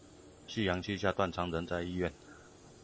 夕陽西下，斷腸人在醫院